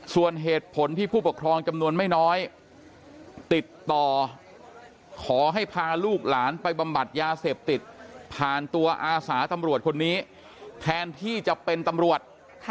ส่วนเหตุผลที่ผู้ปกครองจำนวนไม่น้อยติดต่อขอให้พาลูกหลานไปบำบัดยาเสพติดผ่านตัวอาสาตำรวจคนนี้แทนที่จะเป็นตำรวจ